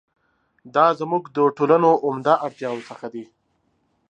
دا زموږ د ټولنو عمده اړتیاوو څخه دي.